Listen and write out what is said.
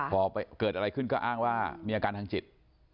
พอเกิดอะไรขึ้นก็อ้างว่ามีอาการทางจิต